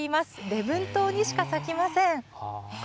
礼文島にしか咲きません。